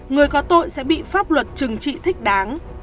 người có tội sẽ bị pháp luật trừng trị thích đáng